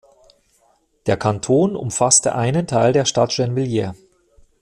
Der Kanton umfasste einem Teil der Stadt Gennevilliers.